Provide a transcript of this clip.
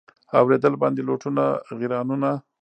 اورېدل باندي لوټونه غیرانونه